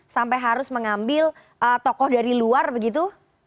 sampai harus mengambil tokoh dari luar begitu